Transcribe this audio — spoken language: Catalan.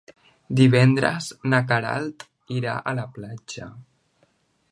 Divendres na Queralt irà a la platja.